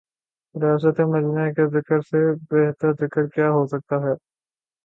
ریاست مدینہ کے ذکر سے بہترذکر کیا ہوسکتاہے۔